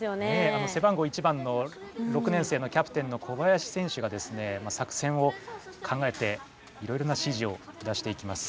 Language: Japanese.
あのせばんごう１番の６年生のキャプテンの小林選手が作戦を考えていろいろなしじを出していきます。